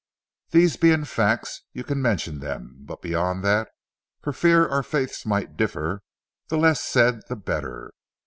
These being facts, you can mention them; but beyond that, for fear our faiths might differ, the less said the better.